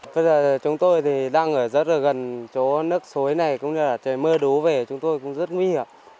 bây giờ chúng tôi thì đang ở rất là gần chỗ nước suối này cũng như là trời mưa đố về chúng tôi cũng rất nguy hiểm